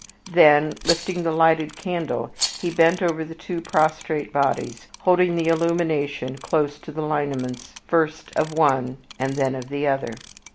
Then, lifting the lighted candle, he bent over the two prostrate bodies, holding the illumination close to the lineaments first of one and then of the other.